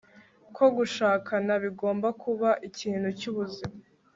ko gushakana bigomba kuba ikintu cy'ubuzima